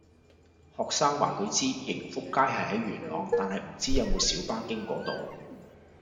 學生話佢知盈福街係喺元朗，但係唔知有冇小巴經嗰度